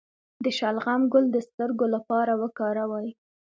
د شلغم ګل د سترګو لپاره وکاروئ